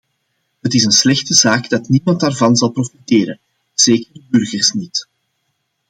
Het is een slechte zaak dat niemand daarvan zal profiteren, zeker de burgers niet.